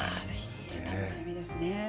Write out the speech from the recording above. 楽しみですね。